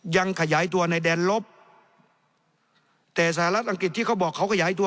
ยังขยายตัวในแดนลบแต่สหรัฐอังกฤษที่เขาบอกเขาขยายตัว